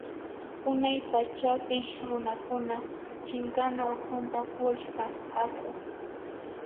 Unay pachapi runakuna chinkana ukhunta puriq kasqaku.